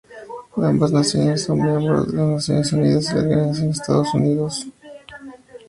Ambas naciones son miembros de las Naciones Unidas y la Organización de Estados Iberoamericanos.